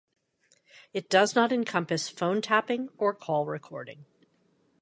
It does not encompass phone tapping or call recording.